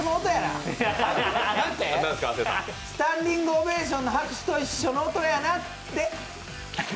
スタンディングオベーションの拍手の音と一緒やなって。